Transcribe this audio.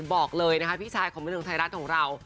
บอกเลยนะคะพี่ชายของบันเทิงไทยรัฐของเรา